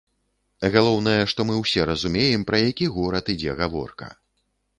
Галоўнае, што мы ўсе разумеем, пра які горад ідзе гаворка.